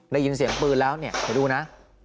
ได้ยินเสียงปืนแล้วเนี่ยเดี๋ยวดูนะ